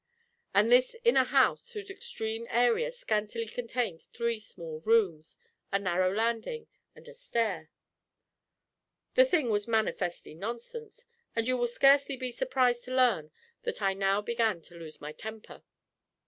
And this in a house whose extreme area scantily contained three small rooms, a narrow landing, and the stair! The thing was manifestly nonsense; and you will scarcely be surprised to learn that I now began to lose my temper.